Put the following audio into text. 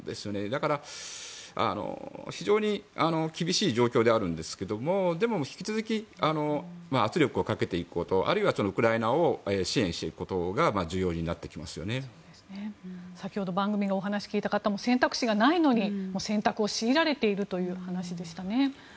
だから、非常に厳しい状況ではあるんですけどでも、引き続き圧力をかけていくことあるいはウクライナを支援していくことが先ほど番組がお話を聞いた方も選択肢がないのに選択を強いられているというお話でしたね。